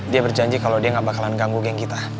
dia berjanji kalau dia gak bakalan ganggu geng kita